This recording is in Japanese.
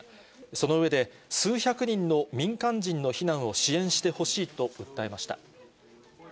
その上で、数百人の民間人の避難を支援してほしいと訴えました。